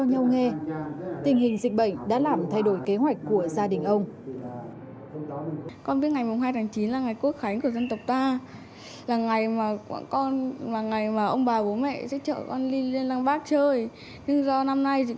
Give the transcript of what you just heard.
nhau nghe tình hình dịch bệnh đã làm thay đổi kế hoạch của gia đình ông